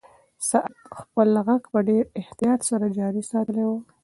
ساعت خپل غږ په ډېر احتیاط سره جاري ساتلی و.